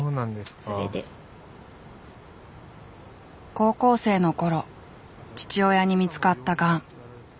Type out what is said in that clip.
高校生の頃父親に見つかったがん。